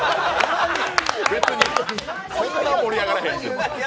別に、そんな盛り上がらへん。